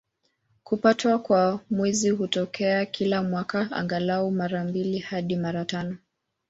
Kupatwa kwa Mwezi hutokea kila mwaka, angalau mara mbili hadi mara tano.